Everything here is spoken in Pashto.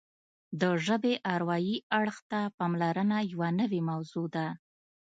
د ژبې اروايي اړخ ته پاملرنه یوه نوې موضوع ده